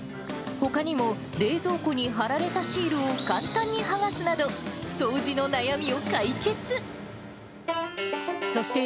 ほかにも、冷蔵庫に貼られたシールを簡単に剥がすなど、掃除の悩みを解決。